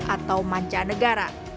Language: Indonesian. atau manca negara